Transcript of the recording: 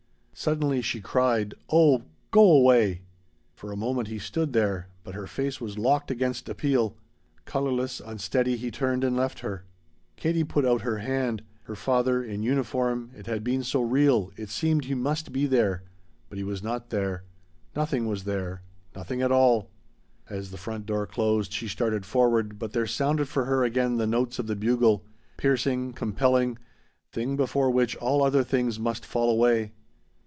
Suddenly she cried: "Oh go away!" For a moment he stood there. But her face was locked against appeal. Colorless, unsteady, he turned and left her. Katie put out her hand. Her father her father in uniform, it had been so real, it seemed he must be there. But he was not there. Nothing was there. Nothing at all. As the front door closed she started forward, but there sounded for her again the notes of the bugle piercing, compelling, thing before which all other things must fall away.